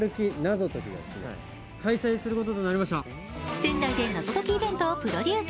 仙台で謎解きイベントをプロデュース。